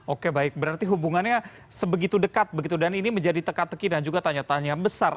oke baik berarti hubungannya sebegitu dekat begitu dan ini menjadi teka teki dan juga tanya tanya besar